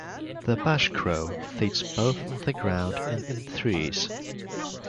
The bushcrow feeds both on the ground and in trees.